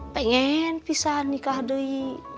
pengen pisah nikah deh